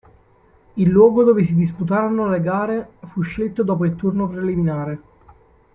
Il luogo dove si disputarono le gare fu scelto dopo il turno preliminare.